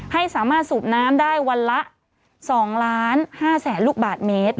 ให้สามารถสูบน้ำได้วันละ๒๕๐๐๐ลูกบาทเมตร